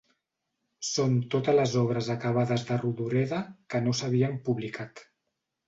Són totes les obres acabades de Rodoreda que no s'havien publicat.